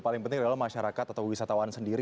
paling penting adalah masyarakat atau wisatawan sendiri